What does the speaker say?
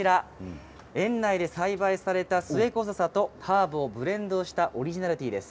園内で栽培されたスエコザサとハーブをブレンドしたオリジナルティーです。